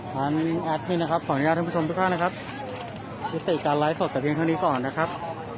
ขออนุญาตทุกคุณผู้ชมทุกท่านนะครับวิธีการไลฟ์สดแต่เพียงเท่านี้ก่อนนะครับ